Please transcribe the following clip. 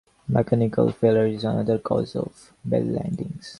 Mechanical failure is another cause of belly landings.